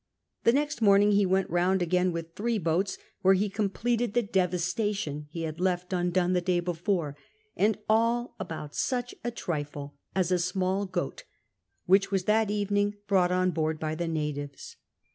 The next morning he went round again with three bocats, where he completed the devastation he had left undone the day before ; and all about such a trifle as a small goat, which was that evening brought on Ixiard by the natives.